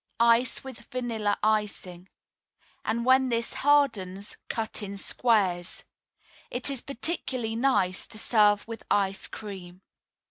Ice with vanilla icing; and when this hardens, cut in squares. It is particularly nice to serve with ice cream.